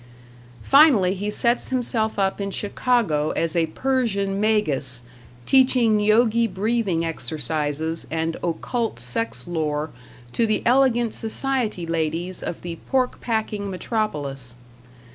Finally he sets himself up in Chicago as a Persian Magus, teaching Yogi breathing exercises and occult sex lore to the elegant society ladies of the pork packing metropolis.